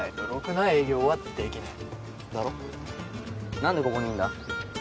なんでここにいるんだ？